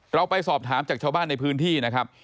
เราไปสอบถามจากชาวบ้านในพื้นที่นะครับ